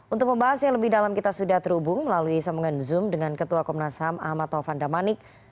untuk membahas yang lebih dalam kita sudah terhubung melalui sambungan zoom dengan ketua komnas ham ahmad taufan damanik